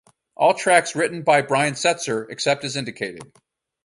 All tracks written by Brian Setzer except as indicated.